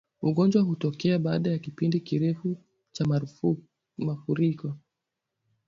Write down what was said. Ugonjwa hutokea baada ya kipindi kirefu cha maafuriko